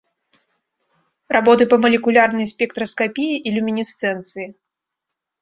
Работы па малекулярнай спектраскапіі і люмінесцэнцыі.